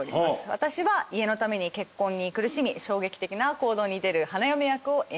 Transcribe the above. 私は家のために結婚に苦しみ衝撃的な行動に出る花嫁役を演じます。